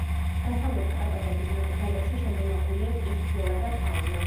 დასავლეთ კარპატების ნაკრძალებში შემონახულია ტყის ფლორა და ფაუნა.